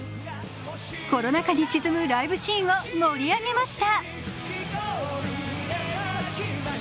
コロナ禍に沈むライブシーンを盛り上げました。